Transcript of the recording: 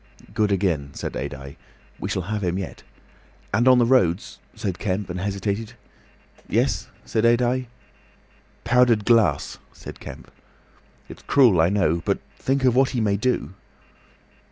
"Good again," said Adye. "We shall have him yet!" "And on the roads," said Kemp, and hesitated. "Yes?" said Adye. "Powdered glass," said Kemp. "It's cruel, I know. But think of what he may do!"